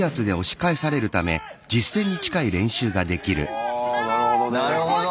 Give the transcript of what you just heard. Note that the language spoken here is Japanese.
あなるほどね。なるほど。